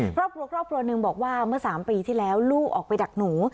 ครอบครัวครอบครัวหนึ่งบอกว่าเมื่อ๓ปีที่แล้วลูกออกไปดักหนู